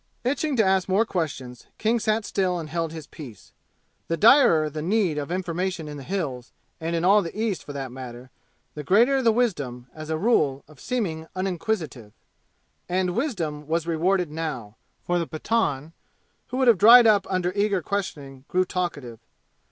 Itching to ask more questions, King sat still and held his peace. The direr the need of information in the "Hills," and in all the East for that matter, the greater the wisdom, as a rule, of seeming uninquisitive. And wisdom was rewarded now, for the Pathan, who would have dried up under eager questioning, grew talkative.